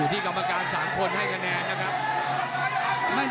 อยู่ที่กรรมการสามคนให้คะแนนนะครับ